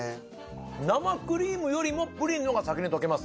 生クリームよりもプリンの方が先に溶けます。